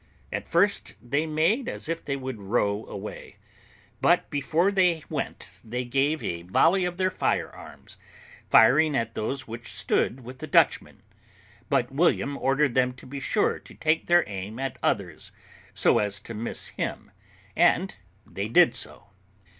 At first they made as if they would row away, but before they went they gave a volley of their fire arms, firing at those which stood with the Dutchman; but William ordered them to be sure to take their aim at others, so as to miss him, and they did so.